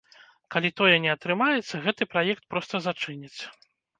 Калі тое не атрымаецца, гэты праект проста зачыняць.